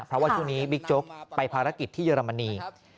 เพราะว่าช่วงนี้บิ๊กโจ๊กไปภารกิจที่เยอรมนี